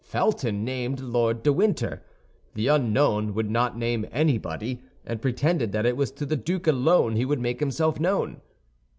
Felton named Lord de Winter; the unknown would not name anybody, and pretended that it was to the duke alone he would make himself known.